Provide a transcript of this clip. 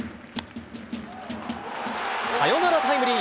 サヨナラタイムリー。